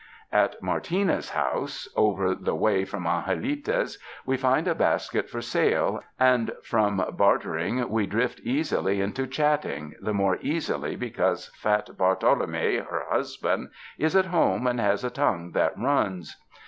At Martina's house, over the way from Ange lita 's, we find a basket for sale, and from bartering we drift easily into chatting, the more easily be cause fat Bartolome, her husband, is at home and has a tongue that runs.